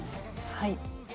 はい。